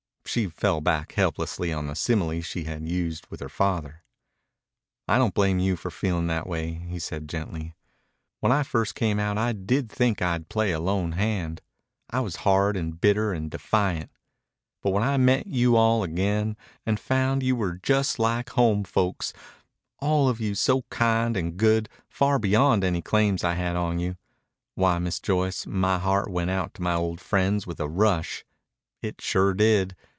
She fell back helplessly on the simile she had used with her father. "I don't blame you for feeling that way," he said gently. "When I first came out I did think I'd play a lone hand. I was hard and bitter and defiant. But when I met you all again and found you were just like home folks all of you so kind and good, far beyond any claims I had on you why, Miss Joyce, my heart went out to my old friends with a rush. It sure did.